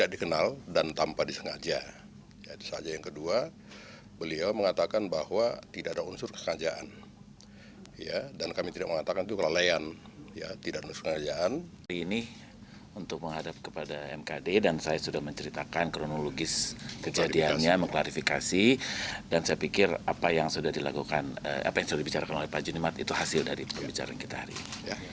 dan saya sudah menceritakan kronologis kejadiannya mengklarifikasi dan saya pikir apa yang sudah dibicarakan oleh pak junimat itu hasil dari perbicaraan kita hari ini